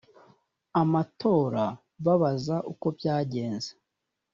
amatora babaza uko byagenze